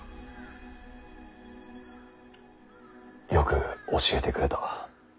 よく教えてくれた。